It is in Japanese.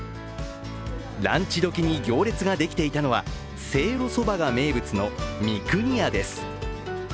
ランチ時に行列ができていたのはせいろそばが名物の三國家です。